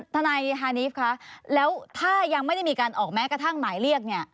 ทนายฮานีฟคะแล้วถ้ายังไม่ได้มีการออกแม้กระทั่งหมายเรียกเนี่ย